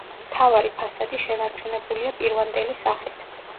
მთავარი ფასადი შენარჩუნებულია პირვანდელი სახით.